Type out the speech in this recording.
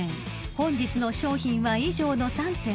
本日の商品は以上の３点］